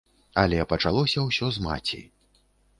Але пачалося ўсё з маці.